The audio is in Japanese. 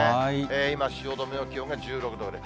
今、汐留の気温が１６度ぐらい。